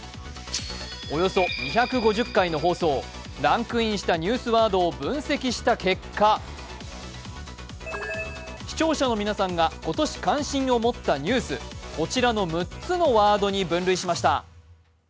およそ２５０回の放送、ランクインしたニュースワードを分析した結果視聴者の皆さんが今年関心を持ったニュース、こちらの６つのワードに分類しました。